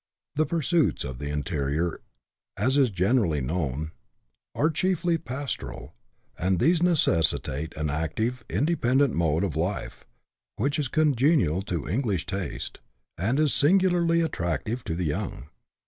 The pursuits of the interior, as is generally known, are chiefly pastoral, and these necessitate an active, independent mode of life, which is congenial to English taste, and is singularly attrac tive to the young.